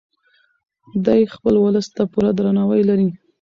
دی خپل ولس ته پوره درناوی لري.